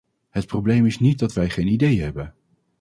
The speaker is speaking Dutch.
Het probleem is niet dat wij geen ideeën hebben.